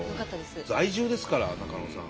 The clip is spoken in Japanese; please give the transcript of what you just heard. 在住ですから中野さん。